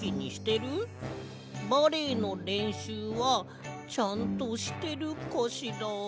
バレエのれんしゅうはちゃんとしてるかしら？」。